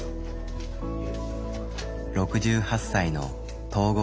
６８歳の統合